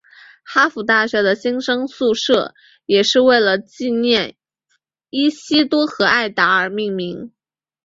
哈佛大学的新生宿舍也是为了纪念伊西多和艾达而命名。